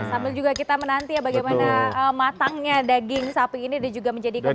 sambil juga kita menanti ya bagaimana matangnya daging sapi ini dan juga menjadi kulit